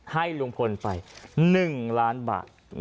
ให้ลุงพลไป๑ล้านบาท